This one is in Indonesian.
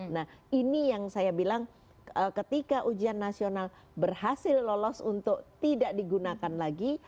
nah ini yang saya bilang ketika ujian nasional berhasil lolos untuk tidak digunakan lagi